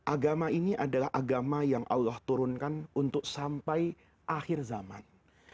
agama ini adalah agama yang allah turunkan untuk sampai akhir zaman